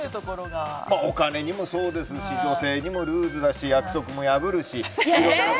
お金にもそうですし女性にもルーズだし約束も破るし。